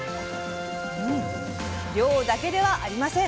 量だけではありません！